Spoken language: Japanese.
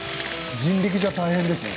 人力じゃ大変ですね。